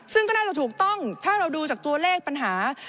ซึ่งก็น่าจะถูกต้องถ้าเราดูจากตัวเลขปัญหา